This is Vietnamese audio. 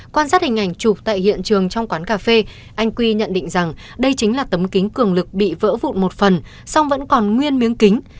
quan sát hình ảnh chụp tại hiện trường trong quán cà phê anh quy nhận định rằng đây chính là tấm kính cường lực bị vỡ vụn một phần song vẫn còn nguyên miếng kính